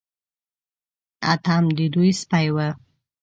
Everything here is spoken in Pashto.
اتم د دوی سپی و.